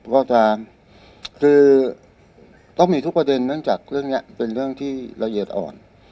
ประธานคือต้องมีทุกประเด็นเนื่องจากเรื่องนี้เป็นเรื่องที่ละเอียดอ่อน